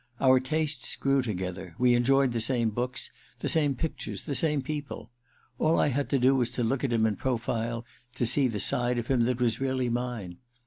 Our tastes grew together — we enjoyed the same books, the same pictures, the same people. All I had to do was to look at him in profile to see the side of him that was really mine.